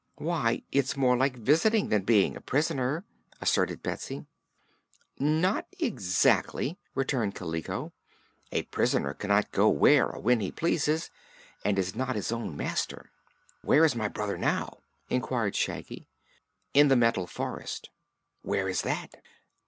"Why, it's more like visiting, than being a prisoner," asserted Betsy. "Not exactly," returned Kaliko. "A prisoner cannot go where or when he pleases, and is not his own master." "Where is my brother now?" inquired Shaggy. "In the Metal Forest." "Where is that?"